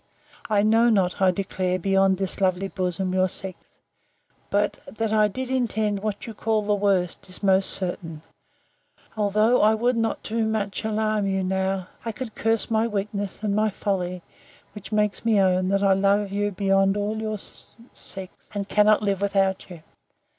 I know not, I declare, beyond this lovely bosom, your sex: but that I did intend what you call the worst is most certain: and though I would not too much alarm you now, I could curse my weakness, and my folly, which makes me own, that I love you beyond all your sex, and cannot live without you.